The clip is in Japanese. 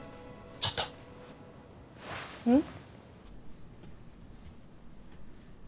ちょっとうん？